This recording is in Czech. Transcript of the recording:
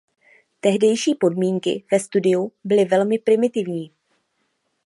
Tehdejší podmínky ve studiu byly velmi primitivní.